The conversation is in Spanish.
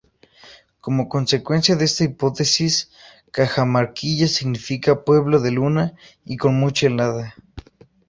Como consecuencia de esta hipótesis, Cajamarquilla significa pueblo de luna y con mucha helada.